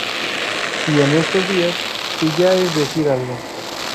Y en estos días, que ya es decir algo".